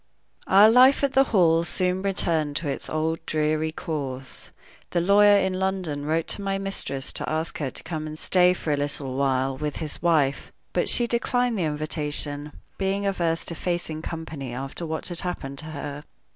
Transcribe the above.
OUR life at the Hall soon returned to its old, dreary course. The lawyer in London wrote to my mistress to ask her to come and stay for a little while with his wife; but she declined the invitation, being averse to facing company after what had happened to her.